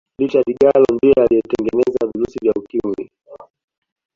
richard gallo ndiye aliyetengeneza virusi vya ukimwi